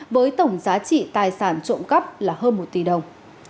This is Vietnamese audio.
với tổng giá trị tài sản trộm cắp là hơn một tỷ đồng